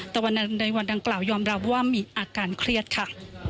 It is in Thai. แต่ในวันดังกล่าวยอมรับว่ามีอาการเครียดค่ะ